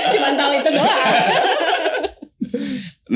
cuman tahun itu doang